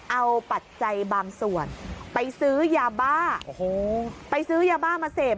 เอาปัจจัยบางส่วนไปซื้อยาบ้าโอ้โหไปซื้อยาบ้ามาเสพ